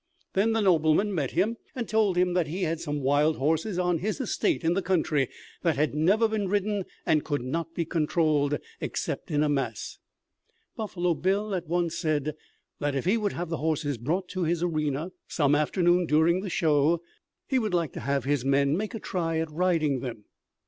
Then the nobleman met him and told him that he had some wild horses on his estate in the country that had never been ridden and could not be controlled except in a mass. Buffalo Bill at once said that if he would have the horses brought to his arena some afternoon during the show he would like to have his men make a try at riding them.